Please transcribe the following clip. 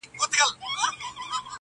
دا جاهل او دا کم ذاته دا کم اصله-